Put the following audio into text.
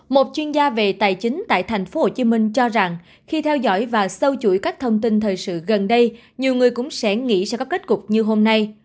một chuyên gia về tài chính tại tp hcm cho rằng khi theo dõi và sâu chuỗi các thông tin thời sự gần đây nhiều người cũng sẽ nghĩ ra có kết cục như hôm nay